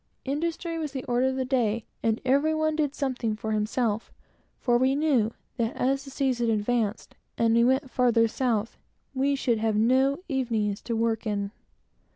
Industry was the order of the day, and every one did something for himself; for we knew that as the season advanced, and we went further south, we should have no evenings to work in.